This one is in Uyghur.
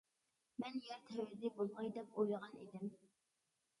مەن يەر تەۋرىدى بولغاي، دەپ ئويلىغان ئىدىم.